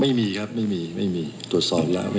ไม่มีครับไม่มีไม่มีตรวจสอบแล้ว